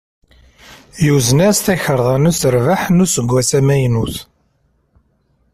Yuzen-as takarḍa n userbeḥ n useggas amaynut.